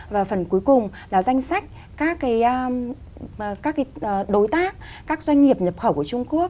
và phần cuối cùng là danh sách các đối tác các doanh nghiệp nhập khẩu của trung quốc